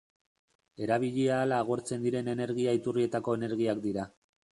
Erabili ahala agortzen diren energia-iturrietako energiak dira.